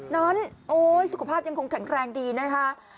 น้องโอ๊ยสุขภาพยังคงแข็งแรงดีนะคะ